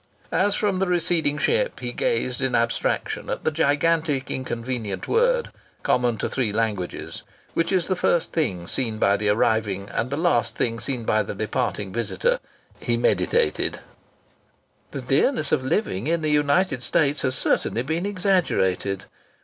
As from the receding ship he gazed in abstraction at the gigantic inconvenient word common to three languages which is the first thing seen by the arriving, and the last thing seen by the departing, visitor, he meditated: "The dearness of living in the United States has certainly been exaggerated."